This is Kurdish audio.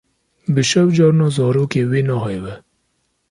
Bi şev carna zarokê wî nahewe.